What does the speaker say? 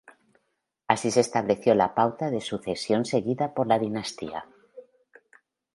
Así se estableció la pauta de sucesión seguida por la dinastía.